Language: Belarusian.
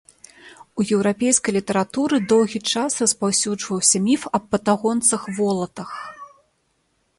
У еўрапейскай літаратуры доўгі час распаўсюджваўся міф аб патагонцах-волатах.